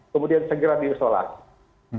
kemudian segera diisolasi